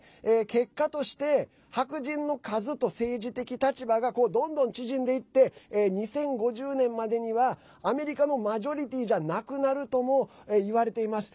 結果として白人の数と政治的立場がどんどん縮んでいって２０５０年までにはアメリカのマジョリティじゃなくなるとも言われています。